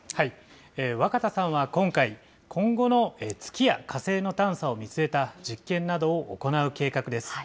若田さんは今回、今後の月や火星の探査を見据えた実験などを行う計画です。